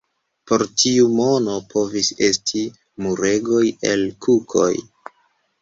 Por tiu mono povis esti muregoj el kukoj.